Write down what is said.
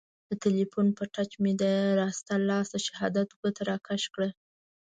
د تیلیفون په ټچ مې د راسته لاس د شهادت ګوته را کش کړه.